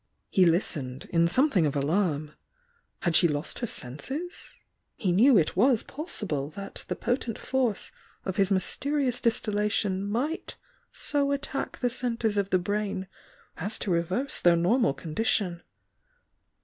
He listened, in something of alarm. Had she lost her senses? He knew it was possible that the potent force of his mysterious distillation might so attack the centres of the brain as to reverse their normal condition.